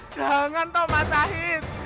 jangan toh mas syahid